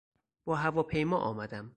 با هواپیما آمدم.